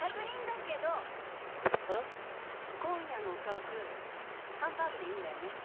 今夜のおかずハンバーグでいいんだよね？